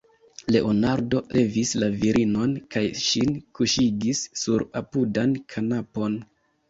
Leonardo levis la virinon kaj ŝin kuŝigis sur apudan kanapon.